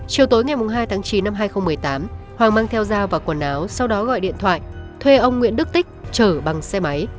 chiều tối ngày hai tháng chín năm hai nghìn một mươi tám hoàng mang theo dao vào quần áo sau đó gọi điện thoại thuê ông nguyễn đức tích chở bằng xe máy